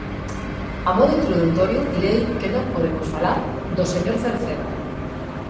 A modo introdutorio direi que non podemos falar do señor Cerceda.